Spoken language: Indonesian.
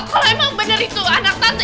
kalau emang bener itu anak tante